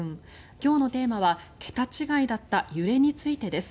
今日のテーマは桁違いだった揺れについてです。